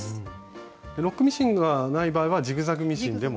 ロックミシンがない場合はジグザグミシンでも。